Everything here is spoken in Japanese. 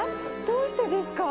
どうしてですか？」